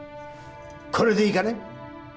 これでいいかね？